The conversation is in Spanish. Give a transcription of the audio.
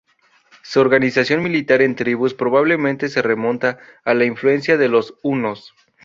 Su organización militar en tribus probablemente se remonta a la influencia de los hunos.